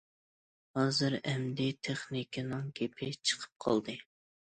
ھازىر ئەمدى تېخنىكىنىڭ گېپى چىقىپ قالدى.